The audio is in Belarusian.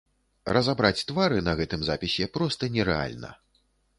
Разабраць твары на гэтым запісе проста нерэальна.